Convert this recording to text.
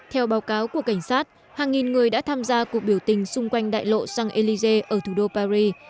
theo báo cáo của cảnh sát hàng nghìn người đã tham gia cuộc biểu tình xung quanh đại lộ sun élysée ở thủ đô paris